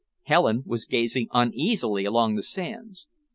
Helen was gazing uneasily along the sands.